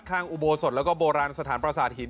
อุโบสถแล้วก็โบราณสถานประสาทหิน